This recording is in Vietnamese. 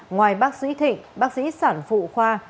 ngoài bác sĩ thịnh bác sĩ sản phụ khoa